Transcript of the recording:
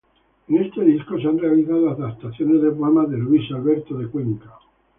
En este disco se han realizado adaptaciones de poemas de Luis Alberto de Cuenca.